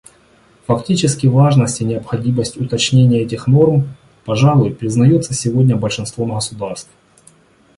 Фактически важность и необходимость уточнения этих норм, пожалуй, признается сегодня большинством государств.